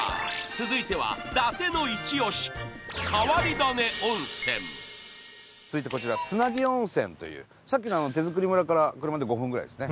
続いては伊達のイチオシ変わり種温泉続いてこちらつなぎ温泉というさっきの手づくり村から車で５分ぐらいですね